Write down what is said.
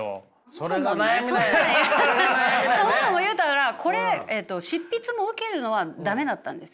それを言うたらこれ執筆も受けるのは駄目だったんです。